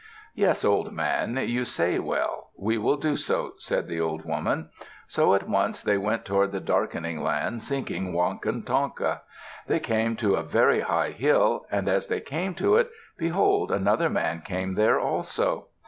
"Yes, old man; you say well. We will do so," said the old woman. So at once they went toward the Darkening Land, seeking Wakantanka. They came to a very high hill; and as they came to it, behold! another man came there also.